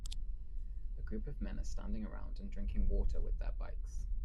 A group of men are standing around and drinking water with their bikes.